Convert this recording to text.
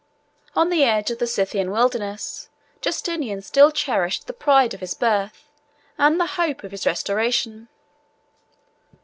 On the edge of the Scythian wilderness, Justinian still cherished the pride of his birth, and the hope of his restoration.